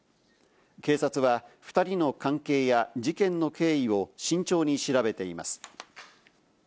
警察は２人の関係や事件の経緯を慎重に調べています。